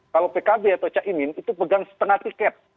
kalau pkb atau cak imin itu pegang setengah tiket